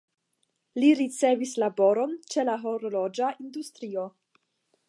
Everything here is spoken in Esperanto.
Li ricevis laboron ĉe la horloĝa industrio.